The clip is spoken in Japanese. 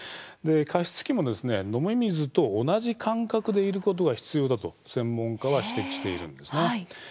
加湿器も飲み水と同じ感覚でいることが必要だと専門家は指摘しているんですね。